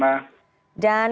dan kepala pemberitaan